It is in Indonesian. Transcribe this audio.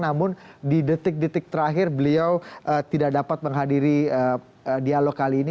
namun di detik detik terakhir beliau tidak dapat menghadiri dialog kali ini